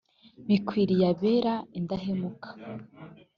bikwiriye abera indahemukaka